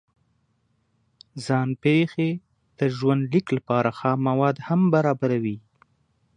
ځان پېښې د ژوند لیک لپاره خام مواد هم برابروي.